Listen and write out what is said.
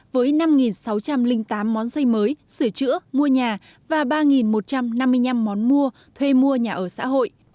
với năm sáu trăm linh tám món xây mới sửa chữa mua nhà và ba một trăm năm mươi năm món mua thuê mua nhà ở xã hội